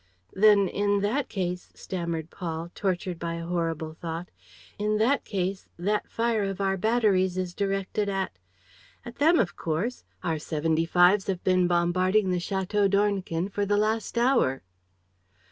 "Then, in that case," stammered Paul, tortured by a horrible thought, "in that case, that fire of our batteries is directed at ..." "At them, of course. Our seventy fives have been bombarding the Château d'Ornequin for the last hour."